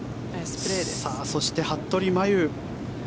そして服部真夕。